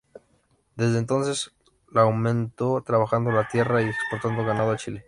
Desde entonces la aumentó trabajando la tierra y exportando ganado a Chile.